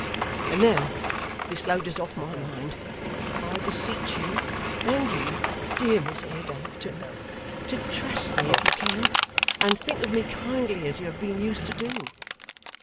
And now this load is off my mind, I beseech you and you, dear Miss Haredale, too to trust me if you can, and think of me kindly as you have been used to do.